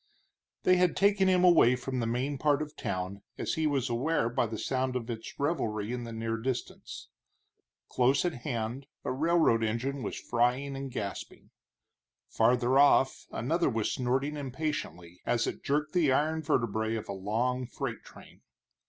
They had taken him away from the main part of town, as he was aware by the sound of its revelry in the near distance. Close at hand a railroad engine was frying and gasping; farther off another was snorting impatiently as it jerked the iron vertebrae of a long freight train.